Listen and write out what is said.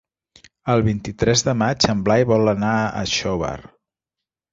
El vint-i-tres de maig en Blai vol anar a Xóvar.